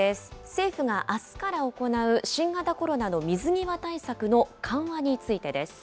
政府があすから行う新型コロナの水際対策の緩和についてです。